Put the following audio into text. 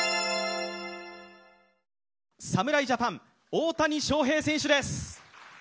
侍ジャパン、大谷翔平選手です。